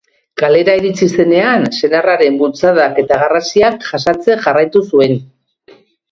Kalera iritsi zenean, senarraren bultzadak eta garrasiak jasaten jarraitu zuen.